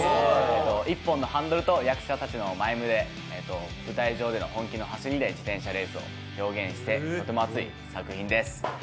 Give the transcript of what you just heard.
１本のハンドルと役者たちのマイム、舞台上での本気の走りで自転車レースを表現してとても熱い作品です。